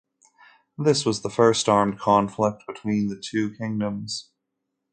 This was the first armed conflict between the two kingdoms.